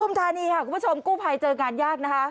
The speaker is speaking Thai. ธานีค่ะคุณผู้ชมกู้ภัยเจองานยากนะคะ